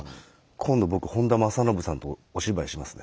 今度僕本多正信さんとお芝居しますね。